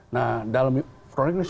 nah dalam prolegnas